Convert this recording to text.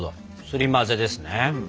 すり混ぜですね。